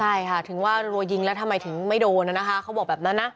ใช่ค่ะถึงว่ารัวยิงแล้วทำไมถึงไม่โดนนะคะเขาบอกแบบนั้นนะ